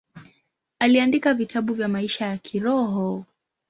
Aliandika vitabu vya maisha ya kiroho.